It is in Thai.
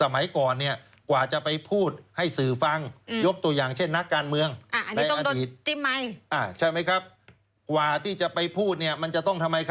มีคนสัมภาษณ์หรือไม่ไปให้สัมภาษณ์